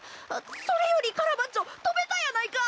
それよりカラバッチョとべたやないか！